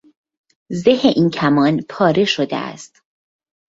زه این کمان پاره شده است.